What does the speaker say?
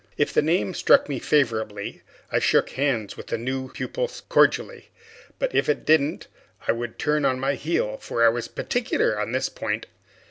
If the name struck me favorably, I shook hands with the new pupil cordially; but if it didn't, I would turn on my heel, for I was particular on this point.